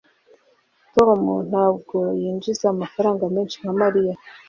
Tom ntabwo yinjiza amafaranga menshi nka Mariya